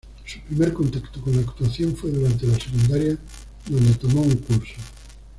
Su primer contacto con la actuación fue durante la secundaria, donde tomó un curso.